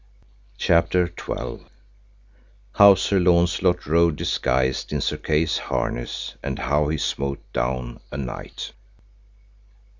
CHAPTER XII. How Sir Launcelot rode disguised in Sir Kay's harness, and how he smote down a knight.